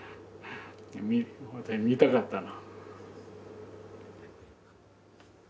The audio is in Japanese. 見たかったな。